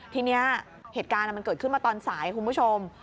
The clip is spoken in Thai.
ทีนี้เหตุการณ์มันเกิดขึ้นมาตอนสายคุณผู้ชม